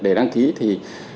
để đăng ký thì